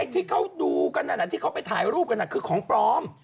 ที่เขาดูกันที่เขาไปถ่ายรูปกันคือของปลอม